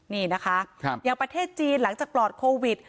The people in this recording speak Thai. นี่นะคะอย่างประเทศจีนหลังจากปลอดโควิด